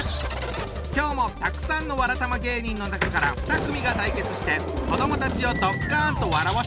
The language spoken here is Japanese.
今日もたくさんのわらたま芸人の中から２組が対決して子どもたちをドッカンと笑わせちゃうぞ！